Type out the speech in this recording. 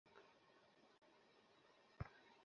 খাদিজার গলায় প্রথমে গিট বাঁধলে কানমাণি মন খারাপ করবে, স্যার।